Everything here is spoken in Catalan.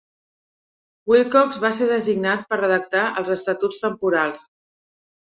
Wilcox va ser designat per redactar els estatuts temporals.